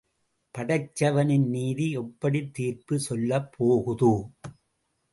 படைச்சவனின் நீதி எப்படித் தீர்ப்புச் சொல்லப் போகுதோ..?